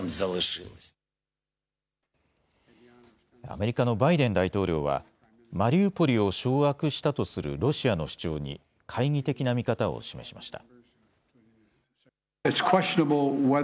アメリカのバイデン大統領はマリウポリを掌握したとするロシアの主張に懐疑的な見方を示しました。